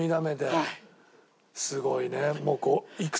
すごいね。